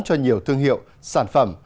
cho nhiều thương hiệu sản phẩm